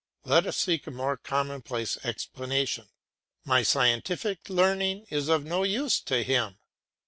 Let us seek a more commonplace explanation; my scientific learning is of no use to him.